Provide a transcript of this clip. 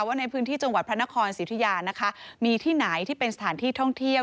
ว่าในพื้นที่จังหวัดพระนครสิทธิยานะคะมีที่ไหนที่เป็นสถานที่ท่องเที่ยว